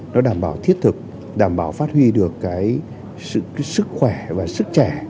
nó đảm bảo thiết thực đảm bảo phát huy được cái sức khỏe và sức trẻ